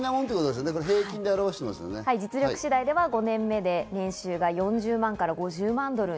実力次第では５年目で年収４０万から５０万ドル。